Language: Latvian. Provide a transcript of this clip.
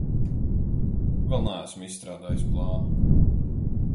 Vēl neesmu izstrādājis plānu.